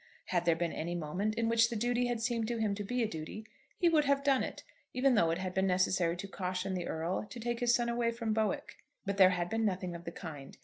Had there been any moment in which the duty had seemed to him to be a duty, he would have done it, even though it had been necessary to caution the Earl to take his son away from Bowick. But there had been nothing of the kind.